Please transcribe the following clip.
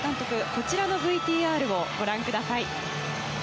こちらのＶＴＲをご覧ください。